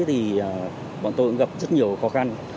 thì bọn tôi cũng gặp rất nhiều khó khăn